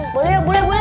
boleh boleh boleh